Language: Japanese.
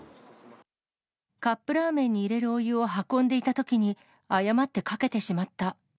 カップラーメンに入れるお湯を運んでいたときに、誤ってかけてしまった。